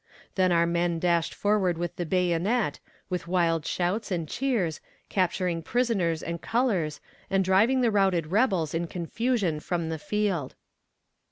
Then our men dashed forward with the bayonet, with wild shouts and cheers, capturing prisoners and colors, and driving the routed rebels in confusion from the field.